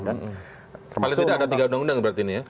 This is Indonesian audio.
paling tidak ada tiga undang undang berarti ini ya